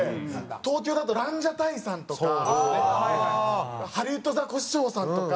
東京だとランジャタイさんとかハリウッドザコシショウさんとか。